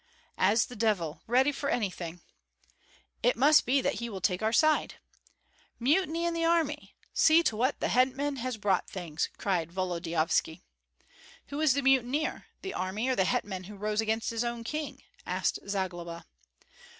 "As the devil, ready for anything." "It must be that he will take our side." "Mutiny in the army! See to what the hetman has brought things!" cried Volodyovski. "Who is the mutineer, the army, or the hetman who rose against his own king?" asked Zagloba.